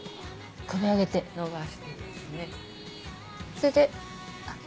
それで。